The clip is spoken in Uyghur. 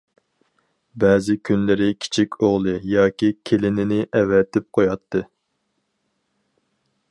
بەزى كۈنلىرى كىچىك ئوغلى ياكى كېلىنىنى ئەۋەتىپ قوياتتى.